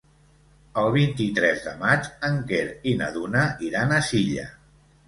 El vint-i-tres de maig en Quer i na Duna iran a Silla.